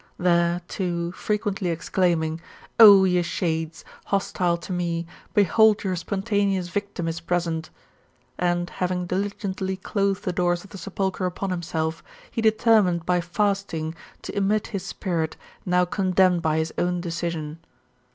There too, frequently exclaiming, ' O ye shades, hostile to me, behold your spontan eous victim is present ;' and, having diligently closed the doors of the sepulchre upon himself, he determined, by fasting, to emit his spirit, now condemned by his own decision."'